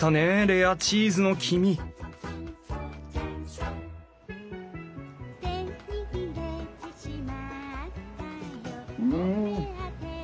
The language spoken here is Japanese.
レアチーズの君うん！